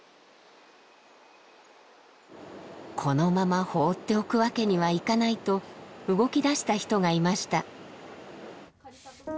このまま放っておくわけにはいかないと動きだした人がいました。